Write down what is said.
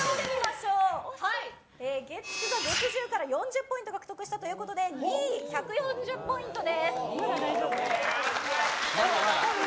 月９が月１０から４０ポイント獲得して２位１４０ポイントです。